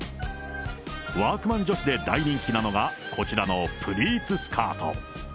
ワークマン女子で大人気なのが、こちらのプリーツスカート。